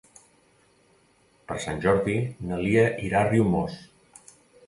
Per Sant Jordi na Lia irà a Riumors.